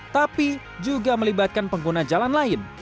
tapi juga melibatkan pengguna jalan lain